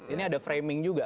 ini ada framing juga